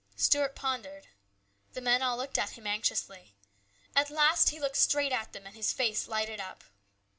Stuart pondered. The men all looked at him anxiously. At last he looked straight at them and his face lighted up.